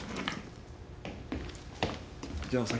じゃお先。